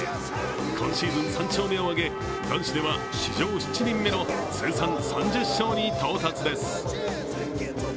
今シーズン３勝目を挙げ男子では史上７人目の通算３０勝に到達です。